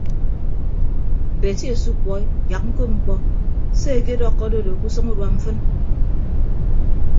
Beti asukuọ yak ñkop mkpọ se ekedọkkọ adodo ke usʌñ urua mfịn.